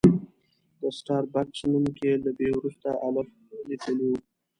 د سټار بکس نوم کې یې له بي وروسته الف لیکلی و.